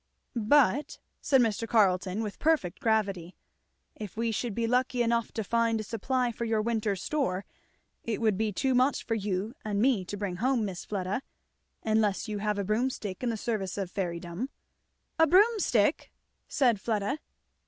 "But," said Mr. Carleton with perfect gravity, "if we should be lucky enough to find a supply for your winter's store, it would be too much for you and me to bring home, Miss Fleda, unless you have a broomstick in the service of fairydom." "A broomstick!" said Fleda.